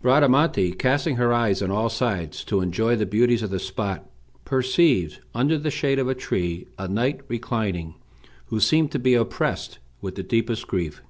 Bradamante, casting her eyes on all sides to enjoy the beauties of the spot, perceived, under the shade of a tree, a knight reclining, who seemed to be oppressed with the deepest grief.